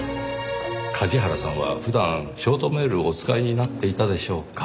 梶原さんは普段ショートメールをお使いになっていたでしょうか？